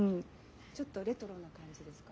ちょっとレトロな感じですか。